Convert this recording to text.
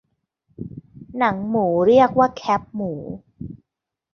หนังหมูเรียกว่าแคบหมู